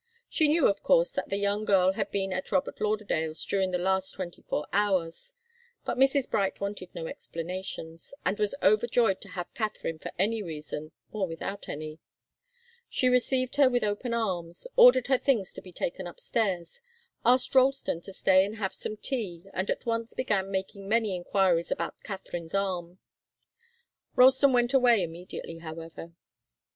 She knew, of course, that the young girl had been at Robert Lauderdale's during the last twenty four hours. But Mrs. Bright wanted no explanations, and was overjoyed to have Katharine for any reason, or without any. She received her with open arms, ordered her things to be taken upstairs, asked Ralston to stay and have some tea, and at once began making many enquiries about Katharine's arm. Ralston went away immediately, however.